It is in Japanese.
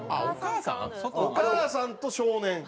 お母さんと少年。